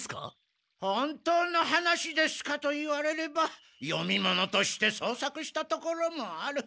「本当の話ですか？」と言われれば読み物として創作したところもある。